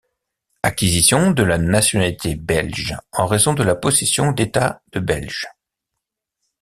Acquisition de la nationalité belge en raison de la possession d'état de Belge.